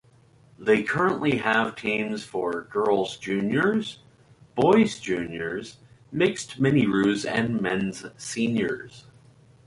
They currently have teams for Girl's Juniors, Boy's Juniors, Mixed MiniRoos and Men's Seniors.